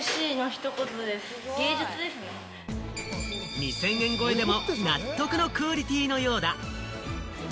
２０００円超えでも納得のクオリティーのようだ。